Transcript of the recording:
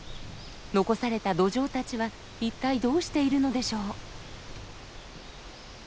残されたドジョウたちは一体どうしているのでしょう？